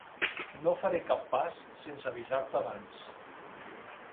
No faré cap pas sense avisar-te abans.